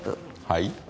はい？